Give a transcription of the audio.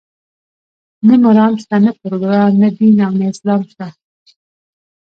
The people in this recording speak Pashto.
نه مرام شته، نه پروګرام، نه دین او نه اسلام شته.